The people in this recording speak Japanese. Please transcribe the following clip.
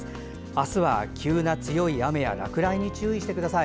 あすは急な強い雨や落雷に注意してください。